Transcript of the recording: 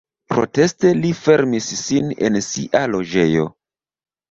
Proteste li fermis sin en sia loĝejo.